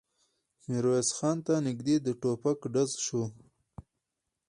ميرويس خان ته نږدې د ټوپک ډز شو.